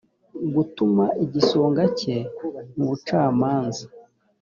gutuma igisonga cye mu bucamanza